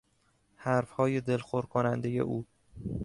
حرفهای دلخور کنندهی او